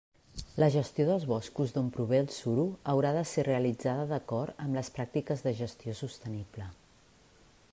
La gestió dels boscos d'on prové el suro haurà de ser realitzada d'acord amb les pràctiques de gestió sostenible.